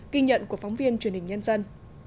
ghi nhận của phóng viên truyền hình nhân dân